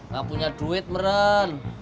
gak punya duit meren